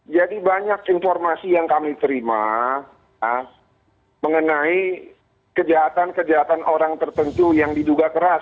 jadi banyak informasi yang kami terima mengenai kejahatan kejahatan orang tertentu yang diduga keras